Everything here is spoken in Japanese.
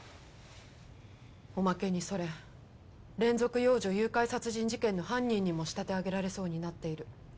おまけにそれ連続幼女誘拐殺人事件の犯人にも仕立て上げられそうになっている。